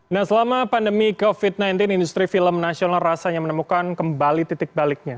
nah selama pandemi covid sembilan belas industri film nasional rasanya menemukan kembali titik baliknya